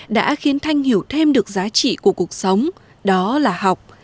đã khiến thanh hiểu thêm được giá trị của cuộc sống đó là học